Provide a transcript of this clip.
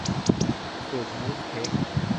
สูตรมูสเค้ก